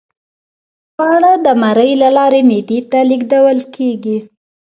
خواړه د مرۍ له لارې معدې ته لیږدول کیږي